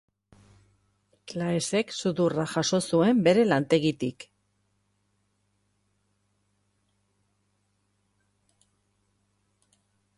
Claesek sudurra jaso zuen bere lantegitik.